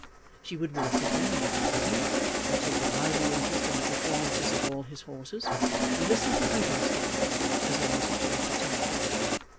She would walk with him and ride with him, and take a lively interest in the performances of all his horses, and listen to hunting stories as long as he chose to tell them.